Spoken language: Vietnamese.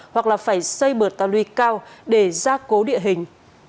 hoặc phải xây bờ tà lùi cao để gia cố địa hình